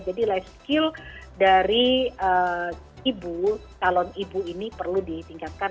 jadi life skill dari ibu talon ibu ini perlu ditingkatkan